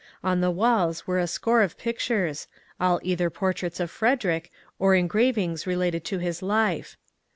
On the walls were a score of pictures, all either portraits of Frederick or engravings re lated to his life.